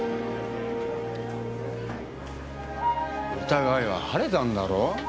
疑いは晴れたんだろ？